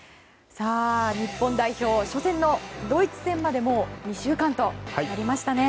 日本代表、初戦のドイツ戦まで２週間となりましたね。